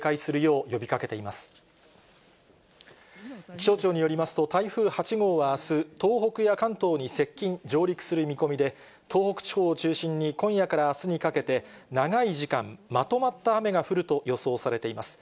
気象庁によりますと、台風８号はあす、東北や関東に接近、上陸する見込みで、東北地方を中心に、今夜からあすにかけて、長い時間、まとまった雨が降ると予想されています。